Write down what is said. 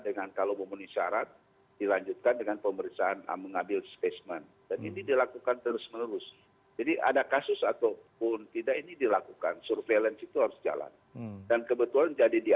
dan ini sudah dilakukan